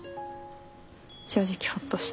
正直ホッとした。